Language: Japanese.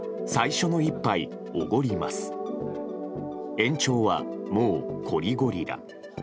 延長はもうこりゴリラ。